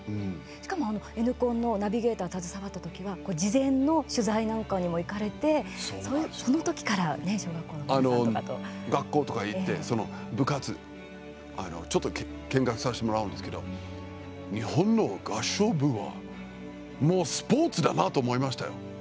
しかも「Ｎコン」のナビゲーター携わった時は事前の取材なんかにも行かれてその時から小学校の皆さんとかと。学校とか行ってその部活、ちょっと見学させてもらうんですけど日本の合唱部はもうスポーツだなと思いましたよ。